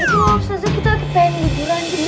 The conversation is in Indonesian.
itu loh ustaz astaz kita lagi pengen liburan gitu